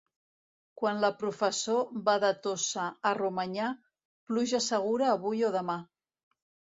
Quan la professó va de Tossa a Romanyà, pluja segura avui o demà.